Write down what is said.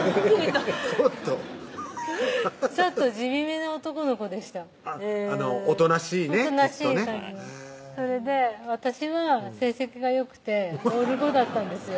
ちょっとちょっと地味めな男の子でしたおとなしいねおとなしい感じのそれで私は成績がよくてオール５だったんですよ